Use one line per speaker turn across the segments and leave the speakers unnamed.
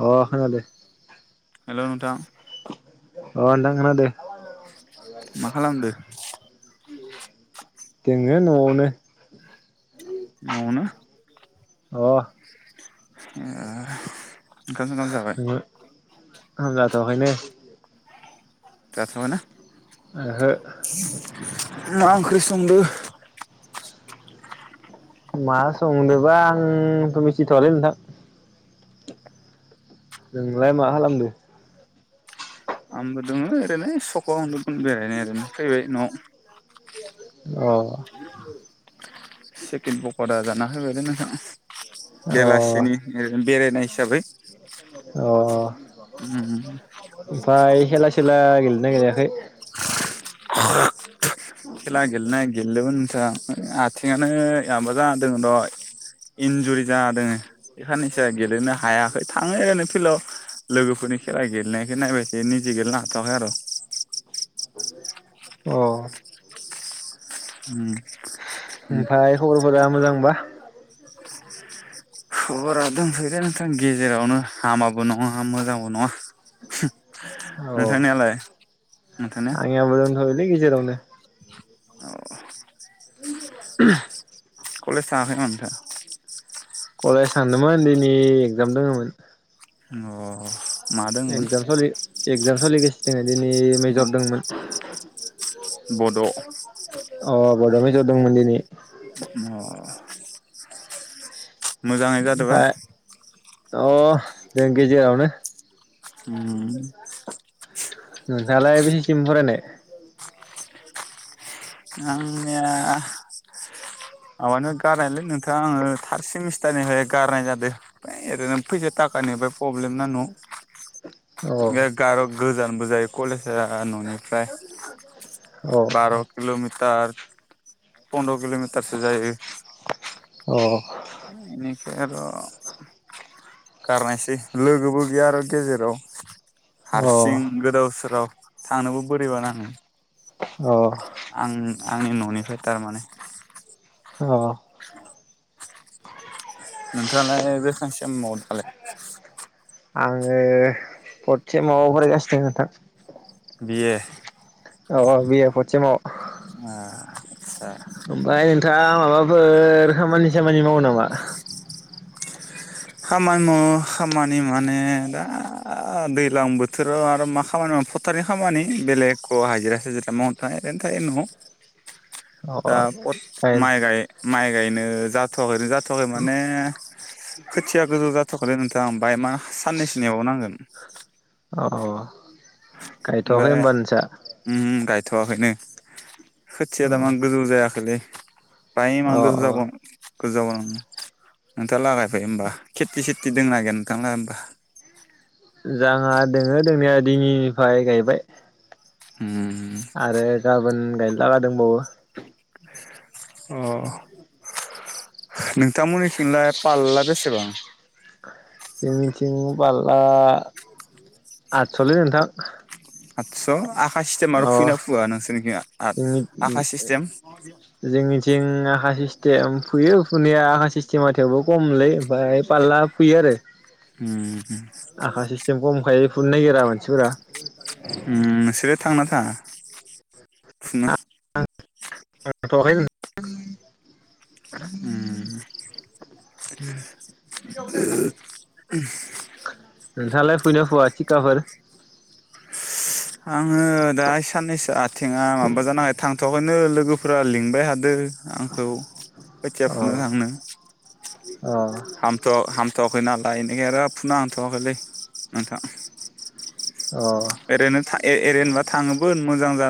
अ खोनादो
हेल' नोंथां
अ नोंथां खोनादो
मा खालामदो?
दङो न'आवनो
न'आवनो
अ
ए ओंखाम संनानै जाबाय
आं जाथ'आखैनो
जाथ'आना
ओहो
मा ओंख्रि संदो
मा संदोबा आंथ' मिथिथ'वालै नोंथां नोंलाय मा खालामदो?
आंबो दङ ओरैनो सखआव हांदोमोन बेरायनो ओरैनो फैबाय न'आव
अ
[inaudible] चिकेन पक'रा जाना फैबायलै नोंथां
अ
बेलासेनि ओ बेरायनाय हिसाबै
अ
उम
ओमफाय खेला सेला गेलेदोना गेलेयाखै?
[unintelligible] खेला गेलेनाया गेलेदोंमोन नोंथां आथिंआनो माबा जाना दों र' इन्जुरि जाना दोङो बे खाननैसोआ गेलेनो हायाखै थाङो ओरै फिल्डआव लोगोफोरनि खेला गेलेनायखौ नायबाय थायो निजे गेलेनो हाथ'वाखै आर'।
अ
उम
ओमफाय खबरफोरा मोजांबा?
खबरा दंथ'योदे नोंथां गेजेरावनो हामाबो नङा मोजांबो नङा।
अ
नोंथांनियालाय? नोंथांनिया
आंनियाबो दंथ'योलै गेजेरावनो।
औ कलेस थाङाखै नामा नोंथाङा?
कलेज थांदोंमोन दिनै एगजाम दङोमोन।
अ मा दंमोन
एगजामफारि एकजाम सोलिगासिनो दोङो। दिनै मेजर दोंमोन।
बद'
अ बद'मेजर दंमोन दिनै।
मोजाङै जादोबा?
ओमफाय अ दों गेजेरावनो।
उम
नोंथाङालाय बेसेसिम फरायनाय?
आंनिया माबानो गारनायलै नोंथां आङो थार सेमिस्टारनिफ्राय गारनाय जादों ओइ माहाय ओरैनो फैसा थाखानिफ्राय प्रब्लेम ना न'आव।
अ
ए गार गोजानबो जायो कलेज जा न'निफ्राय बार' मिटार फन्द्र' किल'मिटारसो जायो।
अ
इनिफाय आर' गारनायसै लोगोबो गैया आरो गेजेराव।
अ
हारसिं गोदाव सोराव। थांनोबो बोरैबा नाङो।
अ
आं आंनि न'निफ्राय थारमाने।
अ
नोंथाङालाय बेसां सेमाव दालाय?
आङो फथ सेमाव‌ फरायगासिनो दोङो नोंथां।
बि ए
औ औ बि ए फथ सेमाव।
आदसा
ओमफाय नोंथां माबाफोर खामानि सामानि खामानि मावो नामा?
खामानि मावो खामानि माने दा दैजलां बोथोराव आरो मा खामानि माव फोथारनि खामानि बेलेग एख' हाजिरा साजिरा मावनो थाङा ओरैनो थायो न'आव
अ
दा माइ गाय माइ ग गायनो जाथ'व थ माने खोथिया गोजौ जाथ'वाखै नोंथां ओमफ्राय मा साननैसो नेबाव नांगोन
औ औ गायथ'वाखै होमबा नोंसा
थ'वाखैनो खोथिया
अ
दामा गोजौ जायाखैलै [unintelligible] गोजौ
अ
जाबाव गोजावनो नोंथाङा लागायबाय होनबा खेथि सेथि दोंनो ना गैया नोंथां होमबा
जोंहा दोङो दोंनाया दिनिनिफ्राय गायबाय
[inaudible]
आरो गाबोन गायनो लागादोंबावो
अ नोंथांमोननिथिंलाय पालला बेसेबां
जोंनिथिं फालला आठस' लै नोंथां
आठस' आखा सिस्टेम आरो
अ
फुयोना फुवा नोंसोरनिखि
जोंनि
आखा सिस्टेम
जिं आखा सिस्टेम फैयो फुनाया आखा सिस्टेमाथायेवबो खमलै ओमफ्राय फारला फुयो आरो
उम
आखा सिस्टेम खमखाय फुनो नायगिरा मानसिफोरा
उम नोंसोर थांना थाङा फुनो
खै [inaudible]
उम
नोंथाङालाय फुयोना फुवा थिखाफोर
आङो दा साननैसो आ आथिंआ माबा जानानै थां थहायनो लोगोफोरा लिंबाय थादों आंखौ खोथिया
अ
फुनो थांनो
अ
हामथ' फथ'वाखै नालाय इनिखाय आरो फुना हांथ'वाखैलै नोंथां
अ
ओरैनो ओरैनोबा थाङोमोन मोजां जा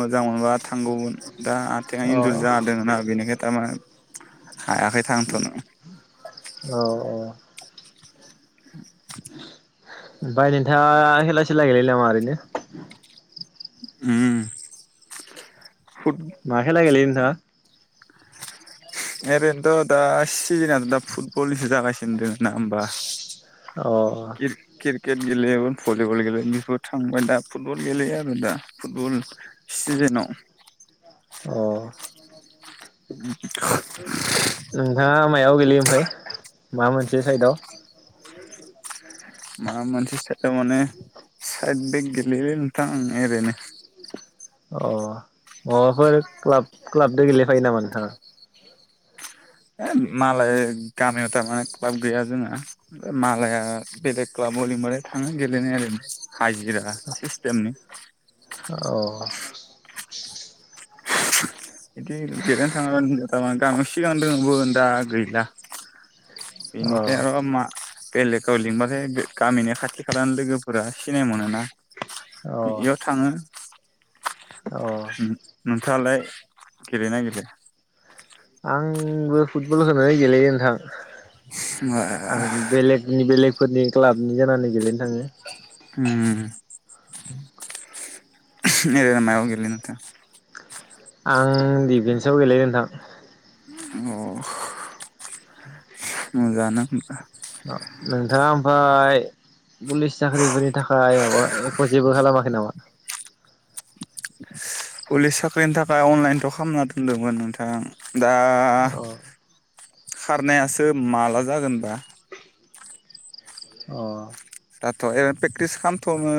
मोजां मोनबा थांगौमोन दा आथिंआ
औ
इन्जुरि जादों ना बेनिखाय थारमाने हायाखै थांथनो
औ औ
[inaudible]
ओमफ्राय नोंथांड़ा खेला सिला गेलेयो नामा ओरैनो
उम फुट
माखेला गेलेयो दा
ओरैनोथ' दा सिजोनथ' दा फुटबलसो जागासिनो दोङ ना होमबा
अ
क्रिकेट गेलेयो भलिबल गेलेयो बेफोर थांबाय दा फुटबल गेलेयो आरो दा फुटबल सिजेनाव
अ
थ [unintelligible]
नोंथांड़ा मायाव गेलेयो ओमफ्राय माबा मोनसे साइदआव
मा मोनसे साइदाव माने साइदजों गैयालै नोंथां आं ओरैनो
अ माबाफोर क्लाब क्लाबजों गेलेखायो नामा नोंथाङा
ए मालाय गामियाव थारमाने क्लाब गैया जोंहा मालाया बेलेग क्लाब ह लिंबारै थाङो गेलेनाय आरो हाजिरा सिस्टेमनि
औ
बिदि देरनो थाङाब थारमा गामियाव सिगां दोङबो दा गैला बेनिखाय
अ
आरो' मा बेलेगाव लिंबथाय गामिनि खाथि खालानि लोगोफोरा सिनाय मोनोना
अ
बेयाव थाङो
अ
नोंथाङालाय गेलेयो ना गेलेया
आंबो फुटबल होनो गेलेयो नोंथां आं बेलगनि बेलग फोरनि क्लाबनि जानानै गेलेनो थांङो।
उम [unintelligible] [unintelligible]
आं दिडिफेन्सआव गेलेयो नोंथां
अ मोजांयानो
नोंथांङा ओमफ्राय पुलिस साख्रिफोरनि थाखाय माबा एख' जेबो खालामाखै नामा?
पुलिस साख्रिनि थाखाय अनलाइनथ' खालामना दोनदोंमोन नोंथां दा
अ
खारनायासो माला जागोनबा
अ
दाथ' ओरैनो प्रेक्टिस खालामथ'नो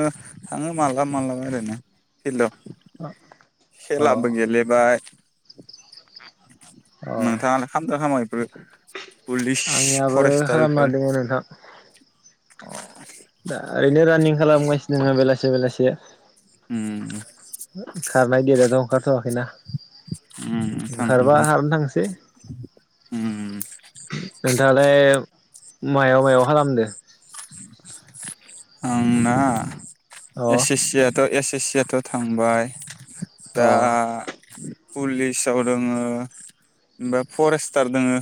थांङो माला माबलाबा ओरैनो फिल्डआव
अ
खेलाबो गेलेबाय
अ
नोंथांलाय खामदों खामाया पुलिस फरेस्टार
[unintelligible] [unintelligible] [unintelligible]
अ
दा ओरैनो रानिंग खालामगासिनो बेलासे बेलासे
उम
खारनाय देेदाथ' ओंखारथ'वाखैना
उम नोंथां
ओंखारबा
नंगौ
खारनो थांसै
[inaudible]
नोंथाङालाय मायाव मायाव खालामदो
आं ना
अ
ए सि सि याथ' एस सि याथ' थांबाय दा
अ
पुलिसाव दंङो ओमफ्राय फरेस्टार दंङो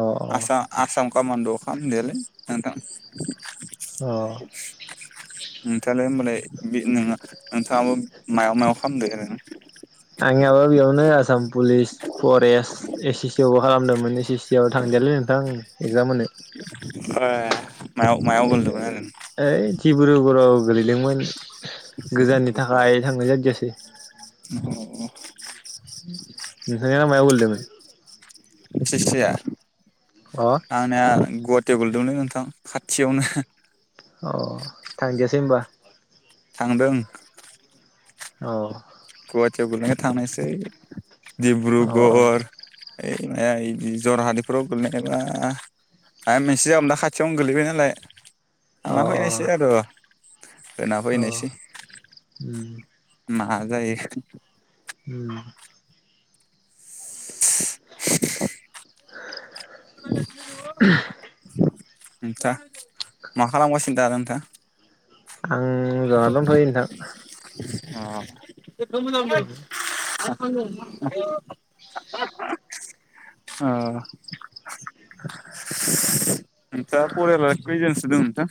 अ
आसा आसाम कामानद' खामदोलै नोंथां
अ
नोंथाङालाय होमबालाय बे नोङो नोंथाङाबो मायाव मायाव खालामदो नोंथां
आंनिबो बेयावनो Assam police forest S A C आवबो खालामदोंमोन एस ए सि आव थांदियालै नोंथां एक्जाम होनो
ओ मायाव मायाव गोलैदोमोन आरो
डिब्रुगरुराव गोलैदोंमोन गोजाननि
आरो
थाखाय थांनाय जादियासै
[unintelligible]
नोंथांनिया मायाव‌ गोलैदोमोन
एस ए सिया
अ
आंनिया ग वाटियाव गोलैदोमोनलै नोंथां खाथियावनो
अ थांदियासै होनबा
थांदों
औ
गुवाहाटीयाव गोलैनायखाय थांनायसै
अ
डिब्रुगर ओइ माया बिदि जरहादफ्राव गोलैनायबा मायबा मोनसे जागोमोन दा खाथियावनो गोलैबाय नालाय
अ
थांना फैनायसै आरो होना
अ
फैनायसै
उम
मा जायो
उम
[inaudible]
[inaudible] [unintelligible]
नोंथा मा खालामगासिनो दा नोंथा?
आं जना दंथ'यो नोंथां।
अ [unintelligible] [inaudible] अ नोंथाङा फरियाला कैजोनसो दं नोंथां?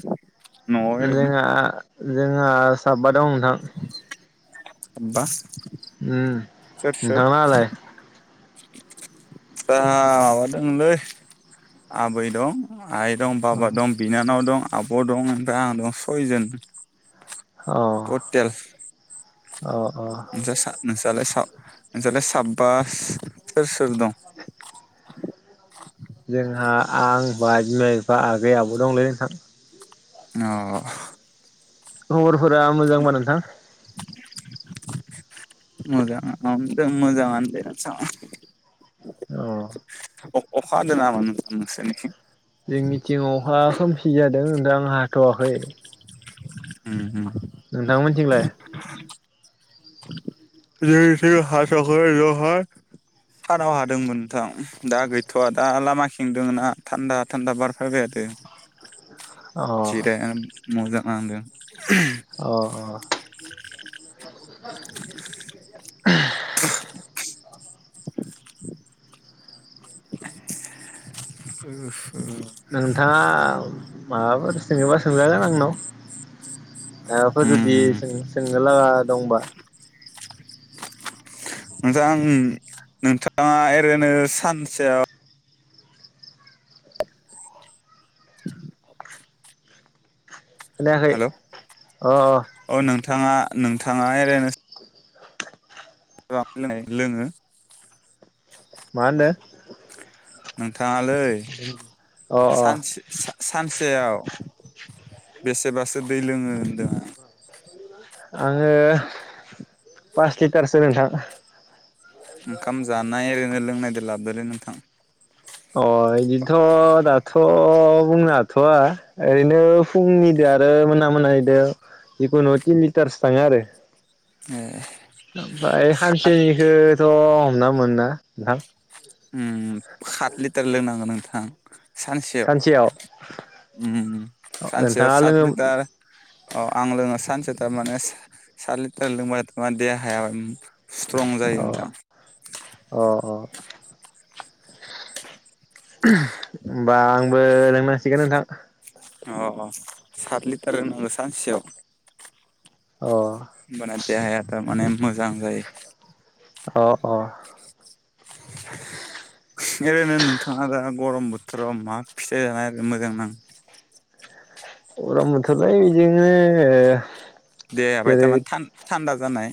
न'आव ओरैनो
जोंहा जोंहा साबाद दं नोंथां।
[unintelligible]
ओम
सोर सोर
नोंथां लाहालाय?
दा माबादोंलै आबै दं आइ दं
अ
बाबा दं बिनानाव दं आब' दं ओनफ्राय आं दं सयजन।
अ
टटेल
अ अ
नोंसा सा नोंसालाय सा नोंसालाय साबबा सोस सोर दं? [inaudible]
जोंहा आं बा बिमा बिफा आगै आबौ दंलै नोंथां।
नौ।
खबर फोरा मोजांबा नोंथां?
मोजां मोजां मजांयानो दे नोंथां।
अ
अखा हादों नामा नोंथां नोंसिनिथिं?
जोंनिथिं अखा खोमसि जादों। दाम हाथ'वाखै
उम उम
नोंथां मोननिथिंलाय?
जोंनिथिं हाथया'खौ दहाय सानाव हादोंमोन नोंथां दा गैथ'वा दा लामा खिं दङोना थान्दा थान्दा बार फैबाय थादों।
अ
जिरायानो मजा नांदों।
अ अ [inaudible]
[inaudible] उम
थाङा माबाफोर सोङोबा सोंजागोन आंनाव। माबाफोर जुदि
उम
सोंनो लागा दंबा।
मोजां नोंथाङा ओरैनो सानसेयाव [inaudible]
खोनायाखै
हेलौ
अ अ
औ नोंथाङा नोंथाङा एओरैनो [inaudible] लोङो
मा होनदों?
नों नोंथाङालै
अ
सान-सानसे सेयाव बेसेबासो दै लोङो होनदोंं आं
आङो पास लिटारसो नोंथां
ओंखाम जानाय ओरैनो लोंनायदो ला बेले नोंथां
अ बिदिथ' दाथ' बुंनो हाथ'व ओरैनो फुंनिदो आरो मोना मोना जिखुनु तिन लिटारसो थाङो आरो।
ए
ओमफाय हानसेनिखौथ' हमना मोना नोंथां।
उम खात लिटार लोंनांगोन नों थां सानसेयाव ओ सानसेयाव
नोंथाङा
सात
लोङो अ
लिटार अ आं लोङो सानसे थार माने सात लिटार लोंबा मा दे हायाब
अ अ औ [inaudible] होमबा आंबो लोंनांसिगोन नोंथां
अ सात लिटार लोंनांगौ सानसेयाव
अ
ओबाना देहाया‌ थार माने मोजां जायो
अ अ
ओरैनो नोंथाङा दा गरम बोथोराव मा फिथाइ जानाय आरो मोजां नां
गरम मोनथारबाय इदिनो ओ
दे आबाय थामान थान थान्दा जानाय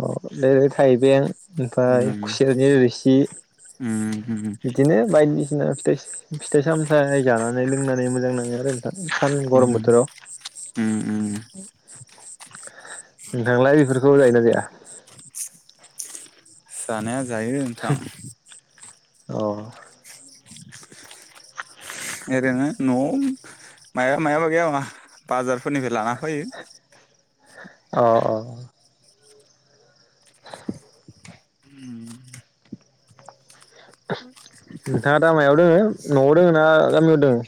अ बेै थाइबें ओमफाय
उम
खुसेरनि रोसि
उम उम
बिदिनो बायदि सिना फिथाइ फिथाइ सामथायाइ जानानै लोंनानै मोजां नाङो आरो। सान गरम
उम उम उम
बोथोराव नोंथां आलाय बेफोरखौ जायोना जाया?
जानाया जायो नोंथां।
अ
ओरैनो नआव माइबा मायाबा गैयाबा बाजारफोरनिफ्राय लाना फैयो।
अ अ [inaudible] नोंथाङा दामायाव दोङो नआव दोङो ना गामियाव दोङो?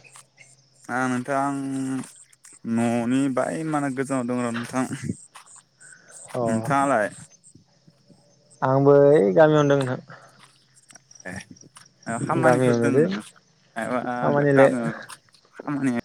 आ नोंथां आं ननि बाय माने गोजानाव दं र नोंथां। नोंथाङालाय?
आंबोै ओइ गामियावनो दों नोंथां।
ए ओ खामानिफोर
गामियावनो
दोङो
दे
नो मायबा
खामानिलाय
गामियाव खामानि